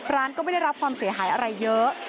ร้านก็ไม่ได้รับความเสียหายอะไรเยอะ